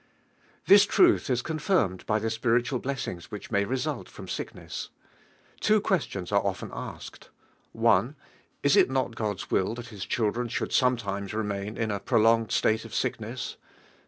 This truth is confirmed by the spiritual blessings which may result from nick ness. Two questions are often asked: (1) Is il not God's will that His children should sometimes remain in a prolonged state of sickness?